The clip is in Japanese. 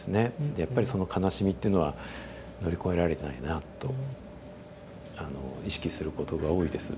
でやっぱりその悲しみっていうのは乗り越えられてないなとあの意識することが多いです。